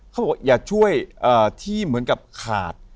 เขาบอกอย่าช่วยที่เหมือนกับขาด